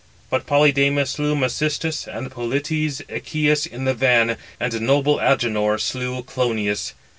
But Polydamas slew Mecistis, and Polites Echius, in the van, and noble Agenor slew Klonius.